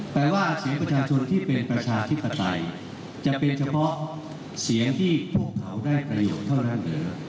แปลว่าเสียงประชาชนที่เป็นประชาธิปไตยจะเป็นเฉพาะเสียงที่พวกเขาได้ประโยชน์เท่านั้นหรือ